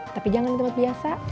tapi jangan di tempat biasa